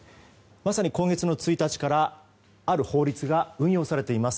まさに今月の１日からある法律が運用されています。